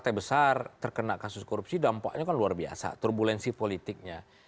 itu kan luar biasa turbulensi politiknya